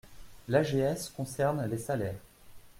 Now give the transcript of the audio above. L’AGS concerne les salaires.